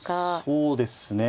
そうですね。